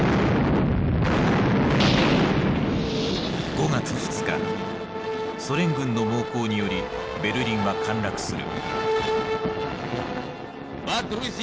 ５月２日ソ連軍の猛攻によりベルリンは陥落する。